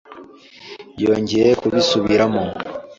Yongeye kubisubiramo.